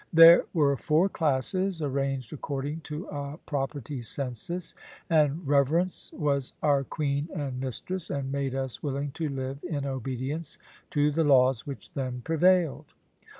There were four classes, arranged according to a property census, and reverence was our queen and mistress, and made us willing to live in obedience to the laws which then prevailed.